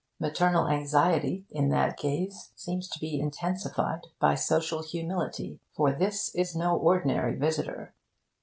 Maternal anxiety, in that gaze, seems to be intensified by social humility. For this is no ordinary visitor.